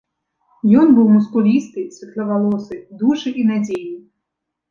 Ён быў мускулісты, светлавалосы, дужы і надзейны.